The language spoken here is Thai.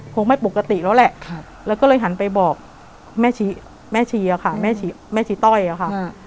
แล้วแหละแล้วก็เลยหันไปบอกแม่ชีแม่ชีอ่ะค่ะแม่ชีแม่ชีต้อยอ่ะค่ะ